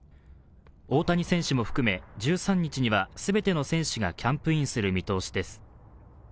大谷選手も含め、１３日には全ての選手がキャンプインする見通しです。